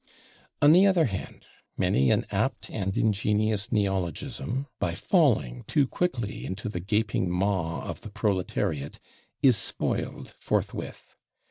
On the other hand, many an apt and ingenious neologism, by falling too quickly into the gaping maw of the proletariat, is spoiled forthwith.